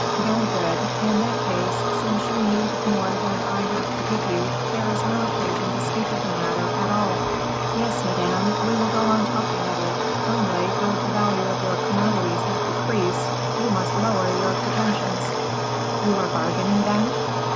Very good; in that case, since you need more than I have to give you, there is no occasion to speak of the matter at all." "Yes, madame, we will go on talking of it; only, as the value of your commodities had decreased, you must lower your pretensions." "You are bargaining, then?"